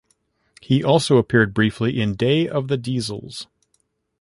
He also appeared briefly in "Day of the Diesels".